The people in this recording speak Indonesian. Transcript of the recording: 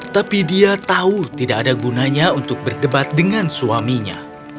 tapi dia tahu tidak ada gunanya untuk berdebat dengan suaminya